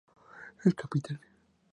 El capitán.